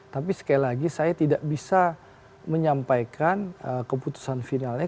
tapi sekali lagi saya tidak bisa menyampaikan keputusan finalnya